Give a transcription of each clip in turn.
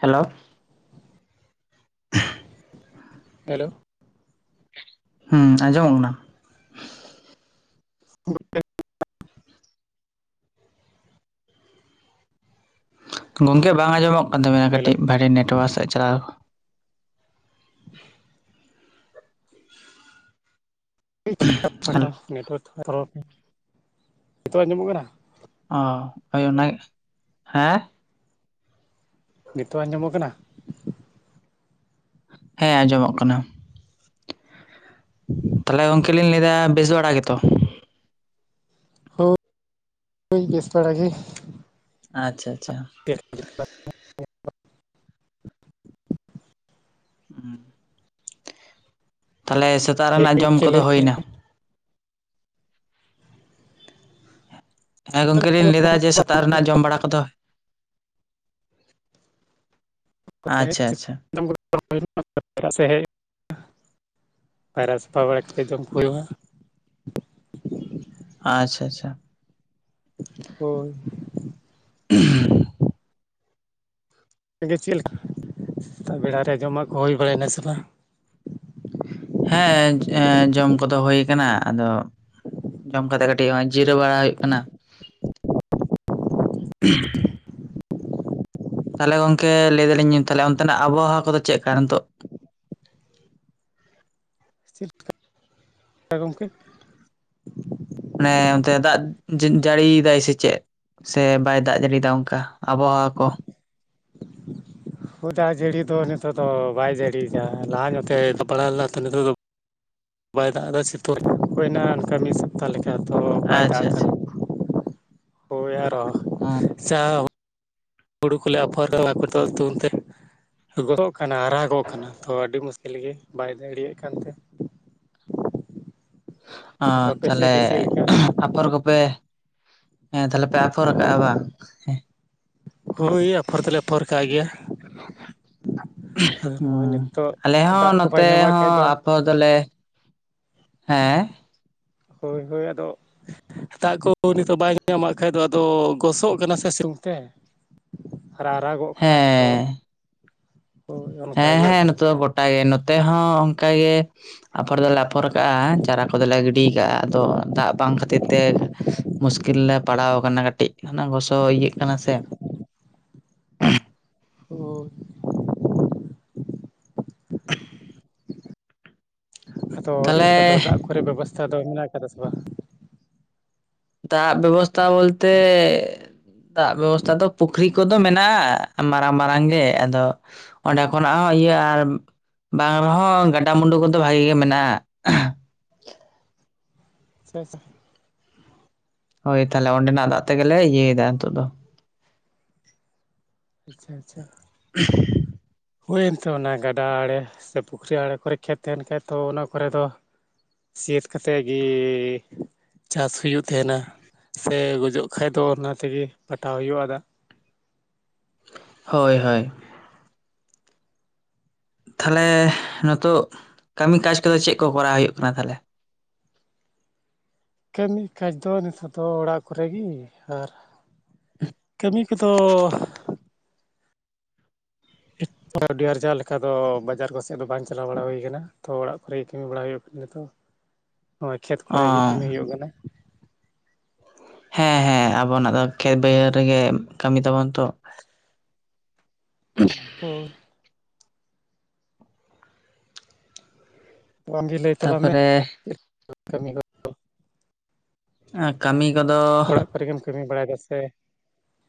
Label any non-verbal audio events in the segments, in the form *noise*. Hello hello ᱦᱮᱸ ᱟᱸᱡᱚᱢᱚᱜ ᱠᱟᱱᱟ? *unintelligible* ᱜᱚᱝᱠᱮ ᱵᱟᱝ ᱟᱸᱡᱚᱢᱚᱜ ᱠᱟᱱ ᱛᱟᱵᱮᱱᱟ ᱦᱮᱞᱳ ᱠᱟᱹᱴᱤᱡ ᱵᱷᱷᱟᱤ ᱱᱮᱴᱣᱟᱨᱠ ᱥᱮᱫ ᱪᱟᱞᱟᱣ ᱱᱟᱨ ᱚ ᱱᱤᱛᱚ ᱟᱸᱡᱚᱢᱚᱜ ᱠᱟᱱᱟ᱾ ᱚ ᱳᱭ ᱚᱱᱟᱱᱟᱜ ᱦᱮᱸ ᱱᱤᱛᱚᱜ ᱟᱸᱡᱚᱢᱚᱜ ᱠᱟᱱᱟ? ᱦᱮᱸ ᱟᱸᱡᱚᱢᱚᱜ ᱠᱟᱱᱟ᱾ ᱛᱟᱦᱞᱮ ᱩᱱᱚᱱᱠᱤᱱ ᱞᱤᱧ ᱞᱟᱹᱭᱫᱟ ᱵᱮᱥ ᱟᱲᱟ ᱜᱮᱛᱚ? ᱦᱳᱭ ᱵᱮᱥ ᱵᱟᱲᱟ ᱜᱮ᱾ ᱟᱪᱪᱷᱟ ᱟᱪᱪᱷᱟ ᱦᱮᱸ ᱛᱟᱦᱚᱞᱮ ᱥᱮᱛᱟᱜ ᱨᱮᱱᱟᱜ ᱡᱚᱢ ᱠᱚᱫᱚ ᱦᱩᱭᱱᱟ? ᱦᱮᱸ ᱜᱚᱝᱠᱮ ᱞᱤᱧ ᱞᱟᱹᱭᱫᱟ ᱡᱮ ᱥᱮᱛᱟᱜ ᱨᱮᱱᱟᱜ ᱡᱚᱢ ᱵᱟᱲᱟ ᱠᱚᱫᱚ? ᱟᱪᱪᱷᱟ ᱟᱪᱪᱷᱟ ᱟᱜ ᱥᱮᱫ ᱦᱮᱡ ᱯᱟᱭᱨᱟ ᱥᱟᱯᱷᱟ ᱵᱟᱲᱟ ᱠᱟᱛᱮᱮᱫ ᱡᱚᱢ ᱠᱚ ᱦᱩᱭᱩᱜᱼᱟ᱾ ᱟᱪᱪᱷᱟ ᱟᱪᱪᱷᱟ ᱦᱳᱭ *inaudible* ᱮ ᱪᱮᱫ ᱞᱮᱠᱟ ᱥᱮᱛᱟᱜ ᱵᱮᱲᱟᱮ ᱡᱚᱢᱟᱜ ᱠᱚ ᱦᱩᱭ ᱵᱟᱲᱟᱭ ᱱᱟ ᱥᱮ ᱵᱟᱝ? ᱦᱮᱸ ᱡᱚᱢ ᱠᱚᱫᱚ ᱦᱩᱭ ᱠᱟᱱᱟ ᱟᱫᱚ ᱡᱚᱢ ᱠᱟᱛᱮᱜ ᱠᱟᱹᱴᱤᱡ ᱡᱤᱨᱟᱹᱣ ᱵᱟᱲᱟ ᱦᱩᱭᱩᱜ ᱠᱟᱱᱟ᱾ *inaudible* ᱛᱟᱦᱚᱞᱮ ᱜᱚᱢᱠᱮ ᱞᱟᱹᱭ ᱫᱟᱞᱤᱧ ᱛᱟᱦᱮ ᱚᱱᱛᱮᱱᱟᱜ ᱟᱵᱚᱦᱟᱣᱟ ᱠᱚᱫᱚ ᱪᱮᱫ ᱞᱮᱠᱟ ᱱᱤᱛᱚᱜ *inaudible* ᱪᱮᱫ ᱜᱚᱝᱠᱮ ᱟᱱᱮ ᱚᱱᱛᱮ ᱫᱟᱜ ᱡᱟᱹᱲᱤᱭᱮᱫᱟᱭ ᱥᱮ ᱪᱮᱫ? ᱥᱮ ᱵᱟᱭ ᱫᱟᱜ ᱡᱟᱹᱲᱤᱭᱫᱟ ᱚᱱᱠᱟ᱾ ᱟᱵᱚᱦᱟᱣᱟ ᱠᱚ ᱫᱟᱜ ᱡᱟᱹᱲᱤ ᱫᱚ ᱱᱤᱛᱚᱜ ᱫᱚ ᱵᱟᱭ ᱡᱟᱹᱲᱤᱭᱟ ᱞᱟᱦᱟ ᱧᱚᱜᱚᱛᱯᱲᱟᱣ ᱞᱮᱱᱟᱚ ᱱᱤᱛᱚᱜ ᱫᱚ ᱵᱟᱭ ᱫᱟᱜ ᱮᱫᱟ *unintelligible* ᱢᱤᱫ ᱥᱚᱯᱛᱟ ᱞᱮᱠᱟ ᱛᱚ ᱵᱟᱭ ᱫᱟᱜ ᱟᱪᱪᱷᱟ ᱟᱠᱟᱫᱟ ᱟᱪᱪᱷᱟ ᱚ *unintelligible* ᱦᱩᱲᱩ ᱠᱚᱞᱮ ᱟᱯᱚᱨ *unintelligible* ᱜᱚᱫᱚᱜ ᱠᱟᱱᱟ ᱟᱨᱟᱜᱚᱜ ᱠᱟᱱᱟ ᱛᱚ ᱟᱹᱰᱤ ᱢᱩᱥᱠᱤᱞ ᱜᱮ ᱵᱟᱭ ᱫᱟᱲᱮᱮᱜ ᱠᱟᱱᱛᱮ ᱚ ᱟᱫᱚ ᱟᱯᱮᱥᱮᱫ ᱛᱟᱦᱚᱞᱮ ᱜᱮ ᱪᱮᱫ ᱞᱮᱠᱟ ᱟᱯᱷᱚᱨ ᱠᱚᱯᱮ ᱦᱮᱸ ᱛᱟᱦᱞᱮ ᱯᱮ ᱟᱯᱷᱚᱨ ᱠᱟᱜᱼᱟ ᱵᱟᱝ ᱦᱮᱸ ᱦᱳᱭ ᱟᱯᱷᱚᱨ ᱛᱮᱞᱮ ᱟᱯᱷᱚᱨ ᱠᱟᱜ ᱜᱮᱭᱟ ᱟᱫᱚ ᱱᱚᱜᱼᱚᱭ ᱦᱮᱸ ᱱᱤᱛᱚᱜ ᱟᱞᱮ ᱦᱚᱸ ᱫᱟᱜ ᱠᱚ ᱵᱟᱭ ᱱᱚᱛᱮ ᱧᱟᱢᱟᱜ ᱠᱷᱟᱡ ᱦᱚᱸ ᱫᱚ ᱟᱯᱚ ᱫᱚᱞᱮ ᱦᱮᱸ ᱦᱳᱭ ᱦᱳᱭ ᱟᱫᱚ ᱫᱟᱜ ᱠᱚ ᱱᱤᱛᱚᱜ ᱵᱟᱭ ᱧᱟᱢᱟᱜ ᱠᱷᱟᱡ ᱫᱚ ᱟᱫᱚ ᱜᱚᱥᱚᱜ ᱠᱟᱱᱟ ᱥᱮ ᱥᱤᱛᱩᱝ ᱛᱮ *inaudible* ᱟᱨᱟᱜᱚᱜ ᱠᱟᱱᱟ ᱛᱚ ᱦᱮᱸ ᱦᱳᱭ ᱦᱮᱸ ᱚᱱᱠᱟᱜᱮ ᱦᱮᱸ ᱚᱵᱚᱥᱛᱟ ᱱᱮᱛᱚ ᱫᱚ ᱢᱮᱱᱟᱜᱼᱟ ᱜᱚᱴᱟ ᱜᱮ ᱱᱚᱛᱮ ᱦᱚᱸ ᱚᱱᱠᱟᱜ ᱜᱮ ᱟᱯᱷᱚᱨ ᱫᱚᱞᱮ ᱟᱯᱷᱚᱨ ᱠᱟᱜᱼᱟ ᱪᱟᱨᱟ ᱠᱚᱫᱚᱞᱮ ᱜᱤᱰᱤ ᱠᱟᱜᱼᱟ ᱟᱫᱚ ᱫᱟᱜ ᱵᱟᱝ ᱠᱷᱟᱹᱛᱤᱨ ᱛᱮ ᱢᱩᱥᱠᱤᱞ ᱞᱮ ᱯᱟᱲᱟᱣ ᱠᱟᱱᱟ ᱠᱟᱹᱴᱤᱡ ᱦ ᱜᱚᱥᱚ ᱤᱭᱟᱹᱜ ᱠᱟᱱᱟ ᱥᱮ ᱦ *unintelligible* *unintelligible* ᱟᱫᱚ ᱪᱮᱫ ᱛᱟᱦᱚᱞᱮ ᱞᱮᱠᱟ ᱫᱟᱜ ᱠᱚᱨᱮ ᱵᱮᱵᱚᱥᱛᱷᱟ ᱫᱚ ᱢᱮᱱᱟᱜ ᱠᱟᱫᱟ ᱥᱮ ᱵᱟᱝ? ᱫᱟᱜ ᱵᱮᱵᱚᱥᱛᱟ ᱵᱚᱞᱛᱮᱸᱸ ᱫᱟᱜ ᱵᱮᱵᱚᱥᱛᱟ ᱫᱚ ᱯᱩᱠᱷᱨᱤ ᱠᱚᱫᱚ ᱢᱮᱱᱟᱜᱼᱟ ᱢᱟᱨᱟᱝ ᱢᱟᱨᱟᱝ ᱜᱮ ᱟᱫᱚ ᱚᱸᱰᱮ ᱠᱷᱚᱱᱟᱜ ᱦᱚᱸ ᱤᱭᱟᱹ ᱟᱨ ᱵᱟᱝ ᱨᱮᱦᱚᱸ ᱜᱟᱰᱟᱼᱢᱩᱰᱩ ᱠᱚᱫᱚ ᱵᱷᱟᱜᱮ ᱜᱮ ᱢᱮᱱᱟᱜᱼᱟ᱾ *inaudible* *unintelligible* ᱦᱳᱭ ᱛᱟᱦᱞᱮ ᱚᱸᱰᱮᱱᱟᱜ ᱫᱟᱜ ᱛᱮᱜᱮᱞᱮ ᱤᱭᱟᱹᱭᱮᱫᱟ ᱱᱤᱛᱳᱜ ᱫᱚ᱾ ᱟᱪᱪᱷᱟ ᱟᱪᱪᱷᱟ *inaudible* ᱦᱩᱭᱳᱱᱛᱮ ᱚᱱᱟ ᱜᱟᱰᱟ ᱟᱬᱮ ᱥᱮ ᱯᱩᱠᱷᱨᱤ ᱟᱲᱮ ᱠᱚᱨᱮ ᱠᱷᱮᱛ ᱛᱟᱦᱮᱱ ᱠᱷᱟᱡ ᱛᱚ ᱚᱱᱟ ᱠᱚᱨᱮ ᱫᱚ ᱥᱤᱭᱟᱹᱛ ᱠᱟᱛᱮᱫ ᱜᱮᱸ ᱪᱟᱥ ᱦᱩᱭᱩᱜ ᱛᱟᱦᱮᱱᱟ ᱥᱮ ᱜᱚᱡᱚᱜ ᱠᱷᱟᱡ ᱫᱚ ᱚᱱᱟ ᱛᱮᱜᱮ ᱯᱟᱴᱟᱣ ᱦᱩᱭᱩᱜᱼᱟ ᱫᱟᱜ ᱦᱳᱭ ᱦᱳᱭ ᱛᱟᱦᱞᱮ ᱱᱤᱛᱚᱜ ᱠᱟᱹᱢᱤ ᱠᱟᱡᱽ ᱠᱚᱫᱚ ᱪᱮᱫ ᱠᱚ ᱠᱚᱨᱟᱣ ᱦᱩᱭᱩᱜ ᱠᱟᱱᱟ ᱛᱟᱦᱚᱞᱮ? ᱠᱟᱹᱢᱤ ᱠᱟᱡᱽ ᱫᱚ ᱱᱤᱛᱚᱜ ᱫᱚ ᱚᱲᱟᱜ ᱠᱚᱨᱮ ᱜᱮ ᱟᱨ ᱠᱟᱹᱢᱤ ᱠᱚᱫᱚ ᱟᱨᱡᱟᱣ ᱞᱮᱠᱟ ᱫᱚ ᱵᱟᱡᱟᱨ ᱠᱚᱥᱮᱫ ᱫᱚ ᱵᱟᱝ ᱪᱟᱞᱟᱣ ᱵᱟᱲᱟ ᱦᱩᱭ ᱠᱟᱱᱟ ᱛᱚ ᱚᱲᱟᱜ ᱠᱚᱨᱮ ᱜᱮ ᱠᱟᱹᱢᱤ ᱵᱟᱲᱟ ᱦᱩᱭᱩᱜ ᱠᱟᱱᱟ᱾ *inaudible* *inaudible* ᱦᱳᱭ ᱠᱷᱮᱛ ᱚ ᱠᱚᱨᱮ ᱜᱮ ᱠᱟᱹᱢᱤ ᱦᱩᱭᱩᱜ ᱠᱟᱱᱟ᱾ ᱦᱮᱸ ᱦᱮᱸ ᱟᱵᱚᱱᱟᱜ ᱫᱚ ᱠᱷᱮᱛ ᱵᱟᱹᱭᱦᱟᱹᱲ ᱨᱮᱜᱮ ᱠᱟᱹᱢᱤ ᱛᱟᱵᱚᱱ ᱛᱚ᱾ ᱦᱳ ᱟ ᱟᱢᱜᱮ ᱞᱟᱹᱭ ᱛᱟᱞᱟᱝ ᱢᱮ ᱛᱟᱯᱚᱨᱮ ᱪᱮᱫ ᱠᱟᱹᱢᱤ *inaudible* ᱠᱟᱹᱢᱤ ᱠᱚᱫᱚ ᱯᱮᱥᱮ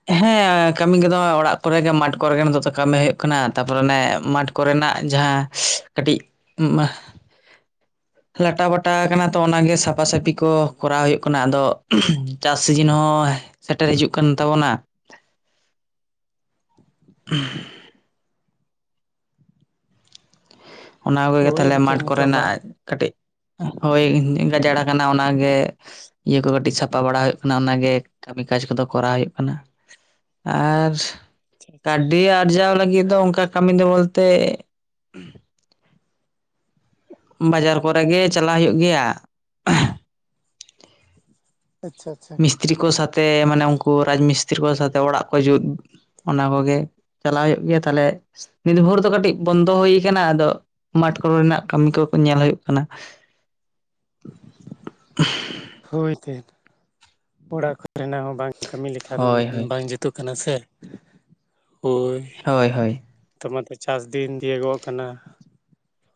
ᱦᱮᱸ ᱠᱟᱹᱢᱤ ᱠᱚᱫᱚ ᱚᱲᱟᱜ ᱠᱚᱨᱮ ᱜᱮ ᱢᱟᱴᱷ ᱠᱚᱨᱮᱜ ᱱᱤᱛᱚ ᱠᱟᱹᱢᱤ ᱦᱩᱭᱩᱜ ᱠᱟᱱᱟ ᱛᱟᱯᱚᱨᱮ ᱚᱱᱮ ᱢᱟᱴᱷ ᱠᱚᱨᱮ ᱨᱮᱱᱟᱜ ᱡᱟᱦᱟᱸ ᱠᱟᱹᱴᱤᱡ *unintelligible* ᱞᱟᱴᱟ ᱵᱟᱴᱟ ᱟᱠᱟᱱᱟ ᱛᱚ ᱚᱱᱟᱜᱮ ᱥᱟᱯᱷᱟ ᱥᱟᱹᱯᱷᱤ ᱠᱚ ᱠᱚᱨᱟᱣ ᱦᱩᱭᱩᱜ ᱠᱟᱱᱟ ᱟᱫᱚ ᱪᱟᱥ ᱥᱤᱡᱤᱱ ᱦᱚᱸ ᱥᱮᱴᱮᱨ ᱦᱤᱡᱩᱜ ᱠᱟᱱ ᱛᱟᱵᱚᱱᱟ᱾ ᱦᱮᱸ ᱚᱱᱟ ᱠᱚᱜᱮ ᱦᱳᱭ ᱛᱟᱦᱚᱞᱮ ᱮᱱᱛᱮ ᱢᱟᱴᱷ ᱱᱤᱛᱚᱜ ᱢᱟ ᱠᱚᱨᱮᱱᱟᱜ ᱠᱟᱹᱴᱤᱡ ᱦᱳᱭ ᱜᱟᱡᱟᱲ ᱠᱟᱱᱟ ᱚᱱᱟᱜᱮ ᱤᱭᱟᱹ ᱠᱚ ᱠᱟᱹᱴᱤᱡ ᱥᱟᱯᱷᱟ ᱵᱟᱲᱟ ᱦᱩᱭᱩᱜ ᱠᱟᱱᱟ᱾ ᱚᱱᱟᱜᱮ ᱠᱟᱹᱢᱤ ᱠᱟᱡᱽ ᱠᱚᱫᱚ ᱠᱚᱨᱟᱣ ᱦᱩᱭᱩᱜ ᱠᱟᱱᱟ᱾ ᱟᱨ ᱟᱪᱪᱷᱟ ᱠᱟᱹᱣᱰᱤ ᱟᱨᱡᱟᱣ ᱞᱟᱹᱜᱤᱫ ᱫᱚ ᱚᱱᱠᱟ ᱠᱟᱹᱢᱤ ᱫᱚ ᱵᱚᱞᱛᱮ ᱵᱟᱡᱟᱨ ᱠᱚᱨᱮᱜ ᱜᱮ ᱪᱟᱞᱟᱜ ᱦᱩᱭᱩᱜ ᱜᱮᱭᱟ᱾ ᱟᱪᱪᱷᱟ ᱟᱪᱪᱷᱟ ᱢᱤᱥᱛᱨᱤ ᱠᱚ ᱥᱟᱛᱮ ᱢᱟᱱᱮ ᱩᱱᱠᱩ ᱨᱟᱡᱽ ᱢᱤᱥᱛᱨᱤ ᱠᱚ ᱥᱟᱛᱮᱜ ᱚᱲᱟᱜ ᱠᱚ ᱡᱩᱛ ᱚᱱᱟ ᱠᱚᱜᱮ ᱪᱟᱞᱟᱣ ᱦᱩᱭᱩᱜ ᱜᱮᱭᱟ ᱛᱟᱦᱞᱮ ᱱᱤᱨᱵᱷᱳᱨ ᱫᱚ ᱠᱟᱹᱴᱤᱡ ᱵᱚᱱᱫᱚ ᱦᱩᱭ ᱠᱟᱱᱟ᱾ ᱟᱫᱚ ᱢᱟ ᱛᱟᱨᱯᱚᱨᱮᱱᱟᱜ ᱠᱟᱹᱢᱤ ᱠᱚ ᱧᱮᱞ ᱦᱩᱭᱩᱜ ᱠᱟᱱᱟ᱾ ᱦᱳᱭ ᱛᱮ ᱚᱲᱟᱜ ᱠᱚᱱᱟᱜ ᱦᱚᱸ ᱵᱟᱝ ᱠᱟᱹᱢᱤ ᱞᱮᱠᱷᱟᱱ ᱦᱳᱭ ᱦᱳᱭ ᱵᱟᱝ ᱡᱩᱛᱩᱜ ᱠᱟᱱᱟ ᱥᱮ ᱦᱳᱭ! ᱦᱳᱭ ᱦᱳᱭ ᱛᱟᱢᱟ ᱛᱚ ᱪᱟᱥ ᱫᱤᱱ ᱫᱤᱭᱳᱚᱜ ᱠᱟᱱᱟ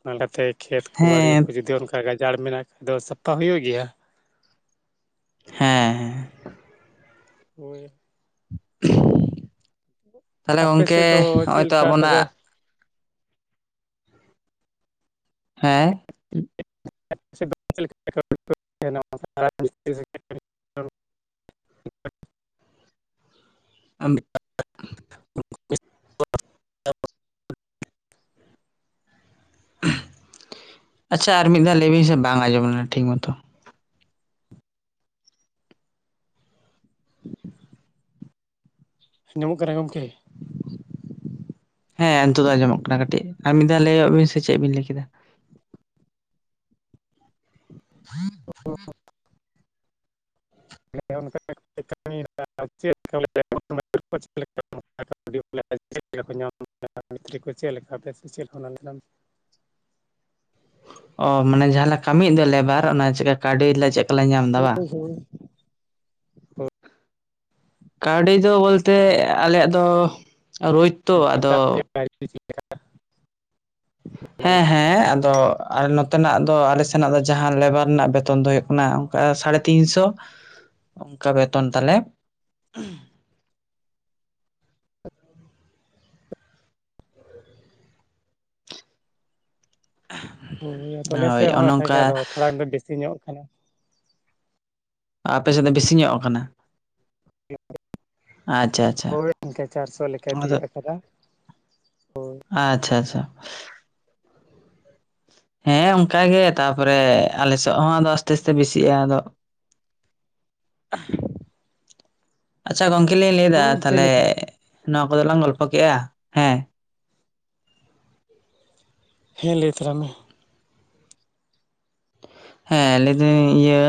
ᱚᱱᱟᱛᱮ ᱠᱷᱮᱛ ᱠᱚ ᱵᱟᱲᱤᱭᱟᱹ ᱦᱮᱸ ᱦᱮᱸ ᱠᱚ ᱡᱩᱫᱤ ᱚᱱᱠᱟ ᱜᱟ ᱡᱟᱲ ᱢᱮᱱᱟᱜ ᱠᱷᱟᱡ ᱫᱚ ᱥᱟᱯᱷᱟ ᱦᱩᱭᱩᱜ ᱜᱮᱭᱟ᱾ ᱦᱮᱸ ᱦᱮᱸ ᱦᱳᱭ ᱛᱟᱦᱚᱞᱮ ᱟᱯᱮ ᱜᱚᱝᱠᱮ ᱥᱮᱫ ᱫᱚ ᱦᱚᱸᱜᱼᱚᱭ ᱪᱮᱫ ᱛᱚ ᱞᱮᱠᱟ ᱛᱚᱵᱮ ᱟᱵᱚᱱᱟᱜ ᱦᱮᱸ *unintelligible* *unintelligible* ᱟᱢ *unintelligible* ᱟᱪᱪᱷᱟ ᱟᱨ ᱢᱤᱫ ᱫᱷᱟᱣ ᱞᱟᱹᱭ ᱵᱤᱱ ᱥᱮ ᱵᱟᱝ ᱟᱸᱡᱚᱢ ᱞᱮᱱᱟ᱾ ᱴᱷᱤᱠ ᱢᱚᱛᱚ᱾ ᱧᱟᱢᱚᱜ ᱠᱟᱱᱟ ᱜᱚᱢᱠᱮ ᱦᱮᱸ ᱱᱤᱛᱚᱜ ᱫᱚ ᱟᱸᱡᱚᱢᱚᱜ ᱠᱟᱱᱟ ᱠᱟᱹᱴᱤᱡ ᱟᱨ ᱢᱤᱫ ᱫᱷᱟᱣ ᱞᱟᱹᱭᱚᱜ ᱵᱤᱱ ᱥᱮ ᱪᱮᱫ ᱵᱤᱱ ᱞᱟᱹᱭ ᱠᱮᱫᱟ᱾ ᱚ ᱚᱱᱠᱟ ᱠᱟᱹᱢᱤ ᱪᱮᱫ ᱞᱮᱠᱟᱮᱫ *unintelligible* ᱪᱮᱫ ᱞᱮᱠᱟ ᱠᱚ ᱧᱟᱢ ᱢᱤᱥᱛᱨᱤ ᱠᱚ ᱪᱮᱫ ᱞᱮᱠᱟ ᱥᱮ ᱪᱮᱫ ᱚ ᱢᱟᱱᱮ ᱡᱟᱦᱟᱸᱞᱮ ᱠᱟᱹᱢᱤᱭᱮᱫ ᱫᱚ ᱞᱮᱵᱟᱨ ᱚᱱᱟ ᱪᱮᱠᱟ ᱠᱟᱹᱣᱰᱤ ᱪᱮᱫᱞᱠᱟ ᱦᱚ ᱦᱳ ᱠᱟᱹᱣᱰᱤ ᱫᱚ ᱵᱚᱞᱛᱮ ᱟᱞᱮᱭᱟᱜ ᱫᱚ ᱨᱳᱡᱽᱛᱚ ᱟᱫᱚ *unintelligible* ᱦᱮᱸ ᱦᱮᱸ ᱟᱫᱚ ᱟᱨ ᱱᱚᱛᱮᱱᱟᱜ ᱟᱞᱮ ᱥᱮᱱᱟᱜ ᱫᱚ ᱡᱟᱦᱟᱸ ᱞᱮᱵᱟᱨ ᱨᱮᱱᱟᱜ ᱵᱮᱛᱚᱱ ᱫᱚ ᱦᱩᱭᱩᱜ ᱠᱟᱱᱟ ᱚᱱᱠᱟ ᱥᱟᱲᱮ ᱛᱤᱱ ᱥᱚ ᱚᱱᱠᱟ ᱵᱮᱛᱚᱱ ᱛᱟᱞᱮ᱾ ᱦᱳᱭ ᱛᱟᱞᱮ ᱥᱮ ᱦᱳᱭ ᱦᱚᱸ ᱚᱱᱮ ᱚᱱᱠᱟ ᱜᱮᱮ ᱟ ᱛᱷᱚᱲᱟ ᱫᱚ ᱵᱮᱥᱤ ᱧᱚᱜ ᱠᱟᱱᱟ᱾ ᱟᱯᱮ ᱥᱮᱫ ᱫᱚ ᱵᱮᱥᱤ ᱧᱚᱜ ᱟᱠᱟᱱᱟ? ᱟᱪᱪᱷᱟ ᱟᱪᱪᱷᱟ ᱦᱚᱭ ᱤᱱᱠᱟ ᱪᱟᱨᱥᱚᱠᱟᱭ ᱟᱫᱚ ᱛᱤᱭᱳᱜ ᱟᱠᱟᱫᱟ ᱟᱪᱪᱷᱟ ᱟᱪᱪᱷᱟ ᱦᱮᱸ ᱚᱱᱠᱟᱜᱮ ᱛᱟᱨᱯᱚᱨᱮ ᱟᱞᱮ ᱥᱮᱫ ᱦᱚᱸ ᱟᱫᱚ ᱟᱥᱛᱮ ᱟᱥᱛᱮ ᱵᱮᱥᱤᱜᱼᱟ᱾ ᱟᱫᱚ ᱟᱪᱪᱷᱟ ᱜᱚᱝᱠᱮ ᱮᱠ ᱞᱤᱧ ᱞᱟᱹᱭ ᱮᱫᱟ ᱦᱳᱭ ᱮᱱᱛᱮ ᱛᱟᱦᱚᱞᱮ ᱱᱤᱛ ᱱᱚᱣᱟ ᱠᱚᱫᱚ ᱞᱟᱝ ᱜᱚᱞᱯᱚ ᱠᱮᱜᱼᱟ᱾ ᱦᱮᱸ ᱦᱮᱸ ᱞᱟᱹᱭ ᱛᱚᱨᱟᱭ ᱢᱮ ᱦᱮᱸ ᱞᱟᱹᱭ ᱫᱟᱹᱧ ᱤᱭᱟᱹ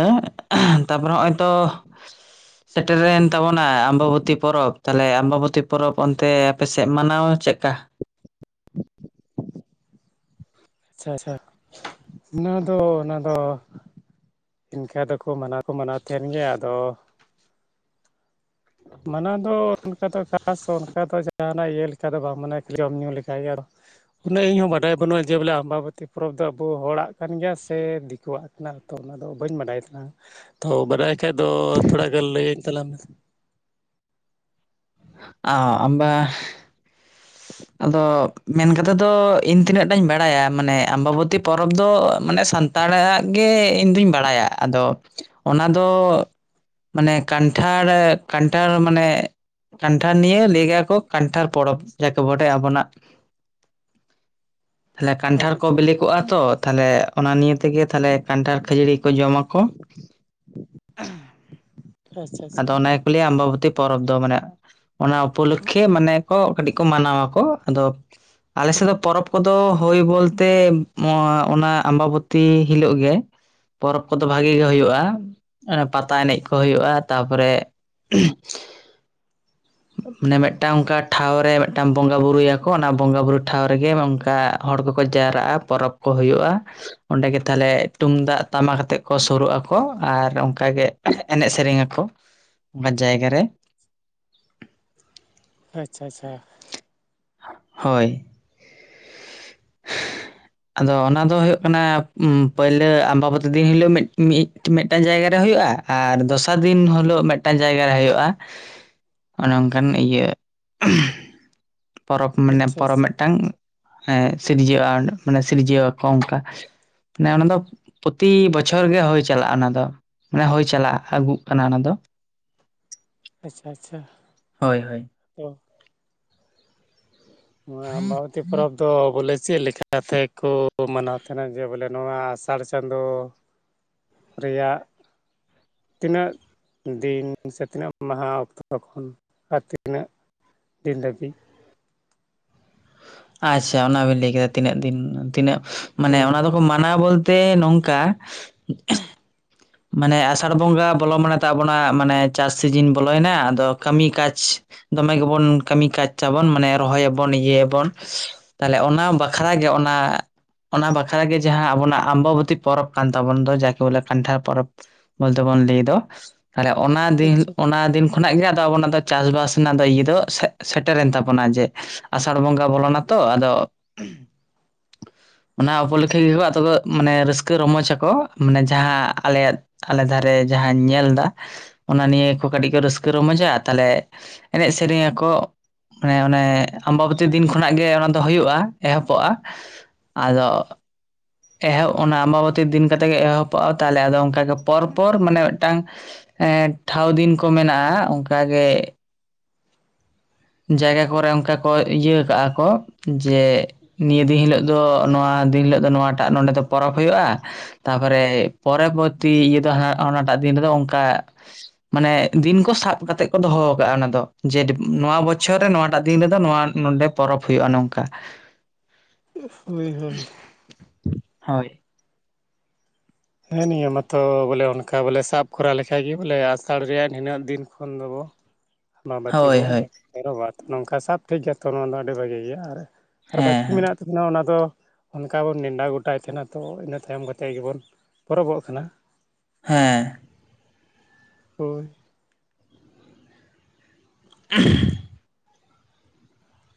ᱛᱟᱨᱯᱚᱨᱮ ᱱᱚᱜᱼᱚᱭ ᱛᱚ᱾ ᱥᱮᱴᱮᱨᱮᱱ ᱛᱟᱵᱚᱱᱟ ᱟᱢᱵᱟᱵᱚᱛᱤ ᱯᱚᱨᱚᱵᱽ ᱛᱟᱦᱞᱮ ᱟᱢᱵᱟᱵᱚᱛᱤ ᱯᱚᱨᱚᱵᱽ ᱚᱱᱛᱮ ᱟᱯᱮᱥᱮᱫ ᱢᱟᱱᱟᱣ ᱪᱮᱫᱠᱟ *inaudible* ᱟᱪᱪᱷᱟ ᱟᱪᱪᱷᱟ ᱚᱱᱟ ᱫᱚ ᱚᱱᱟᱫᱚ ᱤᱱᱠᱟᱟᱹ ᱫᱚᱠᱚ ᱢᱟᱱᱟᱣ ᱢᱟᱱᱟᱣ ᱛᱟᱦᱮᱱ ᱜᱮ᱾ ᱟᱫᱚ ᱢᱟᱱᱟ ᱫᱚ ᱚᱱᱠᱟ ᱫᱚ ᱠᱷᱟᱥ ᱚᱱᱠᱟ ᱫᱚ ᱡᱟᱦᱟᱱᱟᱜ ᱤᱭᱟᱹ ᱞᱮᱠᱟ ᱫᱚ ᱵᱟᱝ ᱢᱟᱱᱟᱟᱹ ᱡᱚᱢ ᱧᱩᱩ ᱞᱮᱠᱟᱜᱮ ᱟᱨᱚ᱾ ᱩᱱᱟᱹᱜ ᱤᱧ ᱦᱚᱸᱚᱸ ᱵᱟᱰᱟᱭ ᱵᱟᱹᱱᱩᱜᱼᱟ ᱡᱮ ᱵᱚᱞᱮ ᱟᱢᱵᱟᱵᱟᱹᱛᱤ ᱯᱚᱨᱚᱵᱽ ᱫᱚ ᱟᱵᱚ ᱦᱚᱲᱟᱜ ᱠᱟᱱ ᱜᱮᱭᱟ ᱥᱮ ᱫᱤᱠᱩᱣᱟᱜ ᱠᱟᱱᱟ᱾ ᱛᱚ ᱚᱱᱟᱫᱚ ᱵᱟᱹᱧ ᱵᱟᱰᱟᱭ ᱛᱟᱞᱟᱝ ᱛᱚ ᱵᱟᱰᱟᱭ ᱠᱷᱟᱡ ᱫᱚ ᱛᱷᱚᱲᱟ ᱜᱟᱱ ᱞᱟᱹᱭᱟᱹᱧ ᱛᱟᱞᱟᱝ ᱢᱮ ᱚ ᱟᱵᱟ ᱟᱫᱚ ᱢᱮᱱ ᱠᱟᱛᱮᱮᱫ ᱫᱚ ᱤᱧ ᱛᱤᱱᱟᱹᱜ ᱴᱟᱧ ᱵᱟᱲᱟᱭᱟ ᱢᱟᱱᱮ ᱟᱢᱵᱟᱵᱚᱛᱤ ᱯᱚᱨᱚᱵᱽ ᱫᱚ ᱢᱟᱱᱮ ᱥᱟᱱ ᱥᱛᱟᱲᱟᱜ ᱜᱮ ᱤᱧ ᱫᱩᱧ ᱵᱟᱲᱟᱭᱟ ᱟᱫᱚ ᱚᱱᱟ ᱫᱚ ᱢᱟᱱᱮ ᱠᱟᱱᱴᱷᱟᱲ ᱠᱟᱱᱴᱷᱟᱲ ᱢᱟᱱᱮ ᱠᱟᱱᱴᱷᱟᱲ ᱱᱤᱭᱮ ᱞᱟᱹᱭ ᱜᱮᱭᱟ ᱠᱚ ᱠᱟᱱᱴᱷᱟᱲ ᱯᱚᱨᱚᱵᱽ ᱡᱟ ᱠᱮ ᱵᱰᱟᱭ ᱟᱵᱚᱱᱟᱜ *inaudible* ᱛᱟᱦᱞᱮ ᱠᱟᱱᱴᱷᱟᱲ ᱟᱪᱪᱷᱟ ᱠᱚ ᱟᱪᱪᱷᱟ ᱵᱮᱞᱮ ᱠᱚᱜᱼᱟ ᱛᱚ ᱛᱟᱦᱞᱮ ᱚᱱᱟ ᱱᱤᱭᱮ ᱛᱮᱜᱮ ᱛᱟᱦᱞᱮ ᱠᱟᱱᱴᱷᱟᱲ ᱠᱷᱟᱹᱡᱟᱹᱲᱤ ᱡᱚᱢᱟᱠᱚ ᱟᱪᱪᱷᱟ ᱟᱪᱪᱷᱟ ᱟᱪᱪᱷᱟ ᱟᱫᱚ ᱚᱱᱟ ᱜᱮᱠᱚ ᱞᱟᱹᱭᱟ ᱟᱢᱵᱟᱵᱚᱛᱤ ᱯᱚᱨᱚᱵᱽ ᱫᱚ ᱢᱟᱱᱮ ᱚᱱᱟ ᱩᱯᱚᱞᱚᱠᱠᱷᱮ ᱢᱟᱱᱮ ᱠᱚ ᱠᱟᱹᱴᱤᱡ ᱠᱚ ᱢᱟᱱᱟᱣᱟᱚ ᱟᱫᱚ ᱟᱞ ᱥᱮᱫ ᱫᱚ ᱯᱚᱨᱚᱵᱽ ᱠᱚᱫᱚ ᱦᱩᱭᱳ ᱵᱚᱞᱛᱮ ᱚᱱᱟ ᱟᱢᱵᱟᱵᱚᱛᱤ ᱦᱤᱞᱳᱜ ᱜᱮ ᱯᱚᱨᱚᱵᱽ ᱠᱚᱫᱚ ᱵᱷᱟᱜᱤ ᱜᱮ ᱦᱩᱭᱩᱜᱼᱟ ᱚᱱ ᱯᱟᱛᱟ ᱮᱱᱮᱡ ᱠᱚ ᱦᱩᱭᱩᱜᱼᱟ ᱛᱟᱯᱚᱨᱮ *unintelligible* ᱢᱟᱱᱮ ᱢᱤᱫᱴᱟᱱ ᱚᱱᱠᱟ ᱴᱷᱟᱶᱨᱮ ᱢᱤᱫᱴᱟᱱ ᱵᱚᱸᱜᱟᱼ ᱵᱩᱨᱩᱭᱟᱠᱚ ᱚᱱᱟ ᱵᱚᱸᱜᱟᱼᱵᱩᱨᱩ ᱴᱷᱟᱶ ᱨᱮᱜᱮ ᱚᱱᱠᱟ ᱦᱚᱲ ᱠᱚᱠᱚ ᱡᱟᱣᱨᱟᱜᱼᱟ ᱯᱚᱨᱚᱵᱽ ᱠᱚ ᱦᱩᱭᱩᱜᱼᱟ ᱚᱸᱰᱮ ᱜᱮ ᱛᱟᱦᱚᱞᱮ ᱛᱩᱝᱫᱟᱜ ᱴᱟᱢᱟᱠᱟᱛᱮ ᱠᱚ ᱥᱩᱨᱩᱜᱼᱟ ᱟᱨ ᱚᱱᱠᱟᱜᱮ ᱮᱱᱮᱡ ᱥᱮᱨᱮᱧᱟ ᱠᱚ ᱚᱱᱟ ᱡᱟᱭᱜᱟ ᱨᱮ᱾ ᱟᱪᱪᱷᱟ ᱟᱪᱪᱷᱟ ᱦᱳᱭ *unintelligible* ᱟᱫᱚ ᱚᱱᱟ ᱫᱚ ᱦᱩᱭᱩᱜ ᱠᱟᱱᱟ ᱯᱳᱭᱞᱳ ᱟᱢᱵᱟᱵᱚᱛᱤ ᱫᱤᱱ ᱦᱤᱞᱳᱜ ᱢᱤᱫᱴᱟᱱ ᱡᱟᱭᱜᱟ ᱨᱮ᱾ ᱦᱩᱭᱩᱜᱼᱟ ᱟᱨ ᱫᱚᱥᱟᱨ ᱫᱤᱱ ᱦᱤᱞᱳᱜ ᱢᱤᱫᱴᱟᱱ ᱡᱟᱭᱜᱟ ᱨᱮ ᱦᱩᱭᱩᱜᱼᱟ᱾ ᱚᱱᱮ ᱚᱱᱠᱟᱱ ᱤᱭᱟᱹ ᱯᱚᱨᱚᱵᱽ ᱢᱟᱱᱮ ᱯᱚᱨᱚᱵᱽ ᱢᱤᱫᱴᱟᱝ ᱦᱮ ᱥᱤᱨᱡᱟᱹᱜᱼᱟ ᱢᱟᱱᱮ ᱥᱤᱨᱡᱟᱹᱣᱟᱠᱚ ᱚᱱᱠᱟ ᱢᱟᱱᱮ ᱚᱱᱟ ᱫᱚ ᱯᱨᱚᱛᱤ ᱵᱚᱪᱷᱚᱨ ᱜᱮ ᱦᱩᱭ ᱪᱟᱞᱟᱜᱼᱟ ᱚᱱᱟ ᱫᱚ ᱢᱟᱱᱮ ᱦᱩᱭ ᱪᱟᱞᱟᱜ ᱟᱹᱜᱩᱜ ᱠᱟᱱᱟ ᱚᱱᱟ ᱫᱚ ᱟᱪᱪᱷᱟ ᱟᱪᱪᱷᱟ᱾ ᱦᱳᱭ ᱦᱳᱭ ᱦᱚᱸ ᱟᱢᱵᱟᱟᱣᱚᱛᱤ ᱯᱚᱨᱚᱵᱽ ᱫᱚ ᱵᱚᱞᱮ ᱪᱮᱜ ᱞᱮᱠᱟ ᱞᱮᱠᱟᱛᱮ ᱠᱩ ᱢᱟᱱᱟᱣ ᱛᱟᱦᱮᱱᱟ ᱡᱮ ᱵᱚᱞᱮ ᱱᱚᱣᱟ ᱟᱥᱟᱲ ᱪᱟᱸᱫᱚᱳ ᱨᱮᱭᱟᱜ ᱛᱤᱱᱟᱹᱜ ᱫᱤᱱ ᱥᱮ ᱛᱤᱱᱟᱹᱜ ᱢᱟᱦᱟᱸ ᱚᱠᱛᱚ ᱠᱷᱚᱱ ᱟᱨ ᱛᱤᱱᱟᱹᱜ ᱫᱤᱱ ᱫᱟᱹᱵᱤᱜ ᱟᱪᱪᱷᱟ ᱚᱱᱟᱵᱤᱱ ᱞᱟᱹᱭᱠᱟ ᱛᱤᱱᱟᱹᱜ ᱫᱤᱱ ᱛᱤᱱᱟᱹᱜ ᱢᱟᱱᱮ ᱦᱳᱭ ᱚᱱᱟ ᱫᱚᱠᱚ ᱢᱟᱱᱟᱣ ᱵᱚᱞ ᱛᱮ ᱱᱚᱝᱠᱟ ᱢᱟᱱᱮ ᱟᱥᱟᱲ ᱵᱚᱸᱜᱟ ᱵᱚᱞᱚ ᱢᱟᱱᱮ ᱛᱟᱵᱚᱱᱟ ᱢᱟᱱᱮ ᱪᱟᱥ ᱥᱤᱡᱤᱱ ᱵᱚᱞᱚᱭᱮᱱᱟ ᱟᱫᱚ ᱠᱟᱹᱢᱤ ᱠᱟᱪ ᱫᱚᱢᱮ ᱜᱮᱵᱚᱱ ᱠᱟᱹᱢᱤ ᱠᱟᱡᱪᱟᱵᱚᱱ ᱢᱟᱱᱮ ᱨᱚᱦᱚᱭᱟᱵᱚᱱ ᱤᱭᱟᱹᱭᱟᱵᱚᱱ ᱛᱟᱞᱦᱮ ᱚᱱᱟ ᱵᱟᱠᱷᱨᱟ ᱜᱮ ᱚᱱᱟ ᱚᱱᱟ ᱵᱟᱠᱷᱨᱟᱜᱮ ᱡᱟᱦᱟᱸ ᱟᱵᱚᱱᱟᱜ ᱟᱢᱵᱟᱵᱚᱛᱤ ᱯᱚᱨᱚᱵᱽ ᱠᱟᱱ ᱛᱟᱵᱚᱱ ᱫᱚ ᱡᱟᱠᱤ ᱵᱚᱞᱮ ᱠᱟᱱᱴᱷᱟᱲ ᱯᱚᱨᱚᱵ ᱵᱚᱞᱛᱮ ᱵᱚᱱ ᱞᱟᱹᱭ ᱫᱚ ᱟᱪᱪᱷᱟ ᱚᱱᱟ ᱠᱷᱚᱱᱟᱜ ᱜᱮ ᱟᱫᱚ ᱟᱵᱚ ᱚᱱᱟ ᱫᱚ ᱪᱟᱥᱵᱟᱥ ᱨᱮᱱᱟᱜ ᱫᱚ ᱤᱭᱟᱹ ᱫᱚ ᱥᱮᱴᱮᱨᱮᱱ ᱛᱟᱵᱚᱱᱟ ᱡᱮ ᱟᱥᱟᱲ ᱵᱚᱸᱜᱟ ᱵᱚᱞᱚᱱᱟᱛᱚ᱾ ᱟᱫᱚ ᱚᱱᱟ ᱩᱯᱚᱞᱚᱠᱠᱷᱷᱟ ᱜᱮᱠᱚ ᱟᱫᱚ ᱢᱟᱱᱮ ᱨᱟᱹᱥᱠᱟᱹ ᱨᱚᱢᱚᱚᱡᱟᱠᱚ ᱢᱟᱱᱮ ᱡᱟᱦᱟᱸ ᱟᱞᱮᱭᱟᱜ ᱟᱞᱮ ᱫᱷᱟᱨᱮ ᱡᱟᱦᱟᱸᱧ ᱧᱮᱞ ᱮᱫᱟ ᱚᱱᱟ ᱱᱤᱭᱟᱹ ᱠᱚ ᱠᱟᱹᱴᱤᱡ ᱠᱚ ᱨᱟᱹᱥᱠᱟᱹ ᱨᱚᱢᱚᱡᱟ ᱛᱟᱦᱞᱮ ᱮᱱᱮᱡ ᱥᱮᱨᱮᱧᱟ ᱠᱚ ᱢᱟᱱᱮ ᱚᱱᱮ ᱟᱢᱵᱟᱵᱚᱛᱤ ᱫᱤᱱ ᱠᱷᱚᱱᱟᱜ ᱜᱮ ᱚᱱᱟ ᱫᱚ ᱦᱩᱭᱩᱜᱼᱟ ᱮᱦᱚᱵᱚᱜᱼᱟ ᱟᱫᱚ ᱮᱦᱚᱵ ᱚᱱᱟ ᱟᱢᱵᱟᱵᱚᱛᱤ ᱫᱤᱱ ᱠᱟᱛᱮᱜ ᱜᱮ ᱮᱦᱚᱵᱚᱜᱼᱟ ᱛᱟᱦᱚᱞᱮ ᱟᱫᱚ ᱚᱱᱠᱟᱜᱮ ᱯᱚᱨᱯᱚᱨ ᱢᱟᱱᱮ ᱢᱤᱫᱴᱟᱝ ᱮᱸᱜ ᱴᱷᱟᱶ ᱫᱤᱱ ᱠᱚ ᱢᱮᱱᱟᱜᱼᱟ ᱚᱱᱠᱟᱜᱮ ᱡᱟᱭᱜᱟ ᱠᱚᱨᱮᱜ ᱚᱱᱠᱟ ᱠᱚ ᱤᱭᱟᱹ ᱠᱟᱜᱼᱟ ᱠᱚ ᱡᱮ ᱱᱤᱭᱟᱹ ᱫᱤᱱ ᱦᱤᱞᱳᱜ ᱫᱚ ᱱᱚᱣᱟ ᱤᱱ ᱦᱤᱞᱟᱹᱜ ᱫᱚ ᱱᱚᱣᱟᱴᱟᱜ ᱱᱚᱰᱮ ᱫᱚ ᱯᱚᱨᱚᱵᱽ ᱦᱩᱭᱩᱜᱼᱟ ᱛᱟᱨ ᱯᱚᱨᱮ ᱯᱚᱨᱚᱵᱚᱨᱛᱤ ᱤᱭᱟᱹ ᱫᱚ ᱚᱱᱟᱴᱟᱜᱫᱤᱱ ᱚᱱᱠᱟ ᱢᱟᱱᱮ ᱫᱤᱱ ᱠᱚ ᱥᱟᱵ ᱠᱟᱛᱮ ᱠᱚ ᱫᱚᱦᱚ ᱟᱠᱟᱫᱟᱼᱟ ᱚᱱᱟ ᱫᱚ ᱡᱮ ᱱᱚᱣᱟ ᱵᱚᱪᱚᱨ ᱵᱚᱪᱷᱚᱨ ᱨᱮ ᱱᱚᱣᱟᱴᱟᱜ ᱫᱤᱱ ᱨᱮᱫᱚ ᱱᱚᱣᱟ ᱱᱚᱰᱮ ᱯᱚᱨᱚᱵᱽ ᱦᱩᱭᱩᱜᱼᱟ ᱱᱚᱝᱠᱟ ᱾ ᱦᱩ ᱦᱳᱭ ᱦᱳᱭ ᱾ ᱦᱳᱭ ᱾ ᱦᱮᱸ ᱱᱤᱭᱟᱹ ᱢᱟᱛᱚ ᱵᱚᱞᱮ ᱚᱱᱠᱟ ᱵᱚᱞᱮ ᱥᱟᱵ ᱠᱚᱨᱟᱣ ᱞᱮᱠᱟ ᱵᱟᱵᱟᱹᱛᱤ ᱦᱳᱭ ᱵᱚᱱ ᱦᱳᱭ ᱾ ᱟᱨ ᱦᱮᱸ ᱵᱟᱹᱠᱤ ᱦᱮᱸ ᱢᱮᱱᱟᱜ ᱛᱟᱵᱚᱱᱟ ᱚᱱᱟ ᱫᱚ ᱚᱱᱠᱟ ᱵᱚᱱ ᱱᱮᱸᱰᱟ ᱜᱚᱴᱟᱭ ᱛᱟᱦᱮᱱᱟ ᱛᱚ ᱤᱱᱟᱹ ᱛᱟᱭᱚᱢ ᱠᱚᱛᱮ ᱜᱮᱵᱚᱱ ᱯᱚᱨᱚᱵᱚᱜ ᱠᱟᱱᱟ ᱦᱮᱸ ᱦᱳᱭ ᱟ *unintelligible*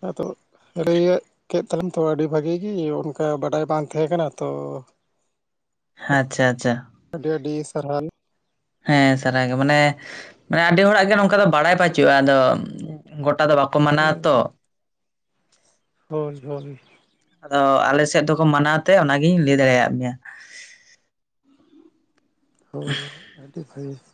ᱟᱫᱚ ᱞᱟᱹᱭ ᱠᱮᱫ ᱛᱚᱢ ᱛᱚ ᱟᱹᱰᱤ ᱵᱷᱟᱹᱜᱤ ᱜᱮ ᱚᱱᱠᱟ ᱵᱟᱰᱟᱭ ᱵᱟᱝ ᱛᱟᱦᱮᱸ ᱠᱟᱱᱟ ᱛᱚ *unintelligible* ᱟᱪᱪᱷᱟ ᱟᱪᱪᱷᱟ ' ᱟᱹᱰᱤ ᱟᱹᱰᱤ ᱥᱟᱨᱦᱟᱣ ᱾ ᱦᱮᱸ ᱥᱟᱨᱟᱜᱮ ᱢᱟᱱᱮ ᱟᱹᱰᱤ ᱦᱚᱲᱟᱜ ᱜᱮ ᱱᱚᱝᱠᱟ ᱫᱚ ᱵᱟᱲᱟᱭ ᱵᱟᱹᱪᱩᱜᱼᱟ ᱟᱫᱚ ᱾ ᱜᱚᱴᱟ ᱫᱚ ᱵᱟᱠᱚ ᱢᱟᱱᱟᱣ ᱟᱛᱚ ᱦᱳᱭ ᱦᱳᱭ ᱾ ᱟᱫᱚ ᱟᱞᱮ ᱥᱮᱫ ᱫᱚᱠᱚ ᱢᱟᱱᱟᱣ ᱛᱮ ᱚᱱᱟᱜᱤᱧ ᱞᱟᱹᱭ ᱫᱟᱲᱮᱭᱟᱜ ᱢᱮᱭᱟ ᱦᱳᱭ ᱟᱰᱤ ᱵᱷᱟᱜᱤ *inaudible*